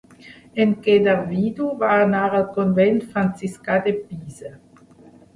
En quedar vidu, va anar al convent franciscà de Pisa.